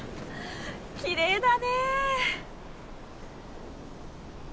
きれいだね。